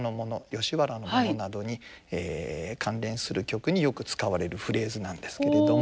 吉原のものなどに関連する曲によく使われるフレーズなんですけれども。